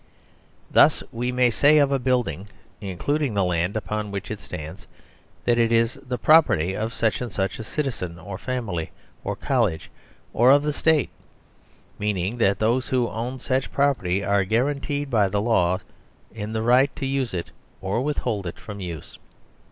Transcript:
Thus we may say of a building, including the land upon which it stands, that it is the " property " of such and such a citizen, or family, or college, or of the State, meaning that those who " own " such property are guaranteed by the laws in the right to use it or withhold it from use.